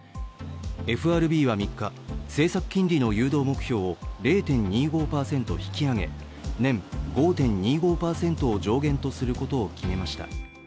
ＦＲＢは３日、政策金利の誘導目標を０．２５％引き上げ年５．２５％を上限とすることを決めました。